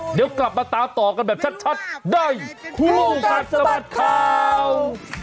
เดี๋ยวกลับมาตามต่อกันแบบชัดได้ครูสัตว์สป๊อตคราว